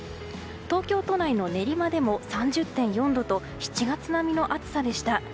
東京都内の練馬でも３０．４度と７月並みの暑さでした。